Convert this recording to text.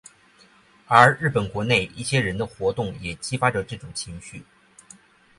而日本国内一些人的活动也激发着这种情绪。